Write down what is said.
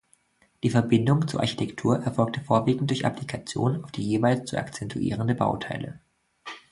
Die Verbindung zur Architektur erfolgte vorwiegend durch Applikation auf die jeweils zu akzentuierenden Bauteile.